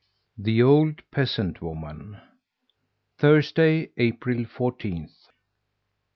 THE OLD PEASANT WOMAN Thursday, April fourteenth.